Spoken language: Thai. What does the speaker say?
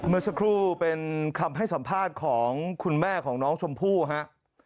เมื่อสักครู่เป็นคำให้สัมภาษณ์ของคุณแม่ของน้องชมพู่ครับ